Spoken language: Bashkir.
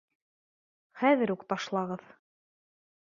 Хәҙер үк ташлағыҙ.